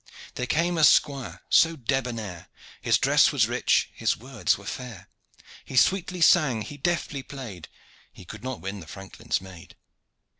There came a squire so debonair His dress was rich, his words were fair, He sweetly sang, he deftly played: He could not win the franklin's maid.